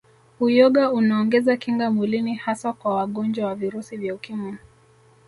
Uyoga unaongeza kinga mwilini hasa kwa wangonjwa wa Virusi vya Ukimwi